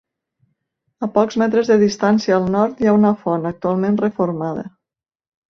A pocs metres de distància al nord hi ha una font, actualment reformada.